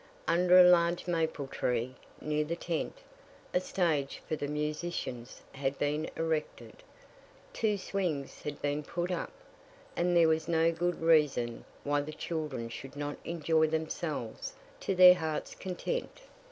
Under a large maple tree, near the tent, a stage for the musicians had been erected. Two swings had been put up; and there was no good reason why the children should not enjoy themselves to their hearts' content.